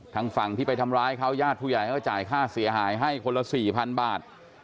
ทางฝั่งที่ไปทำร้ายเขาญาติผู้ใหญ่เขาจ่ายค่าเสียหายให้คนละสี่พันบาท